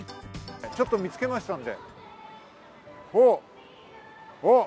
ちょっと見つけましたんで。